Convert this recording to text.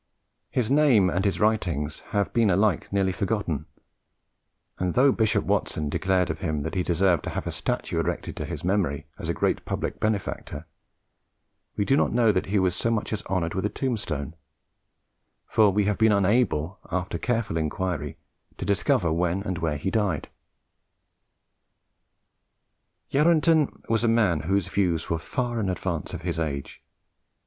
His name and his writings have been alike nearly forgotten; and, though Bishop Watson declared of him that he deserved to have a statue erected to his memory as a great public benefactor, we do not know that he was so much as honoured with a tombstone; for we have been unable, after careful inquiry, to discover when and where he died. Yarranton was a man whose views were far in advance of his age.